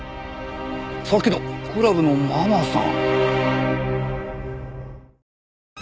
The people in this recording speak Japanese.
さっきのクラブのママさん。